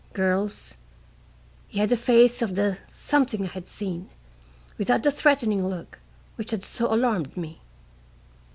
Girls, he had the face of the Something I had seen, without the threatening look, which had so alarmed me."